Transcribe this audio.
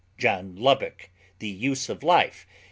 '" JOHN LUBBOCK The Use of Life ch.